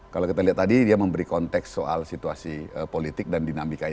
kalau kita lihat tadi dia memberi konteks soal situasi politik dan dinamika yang ada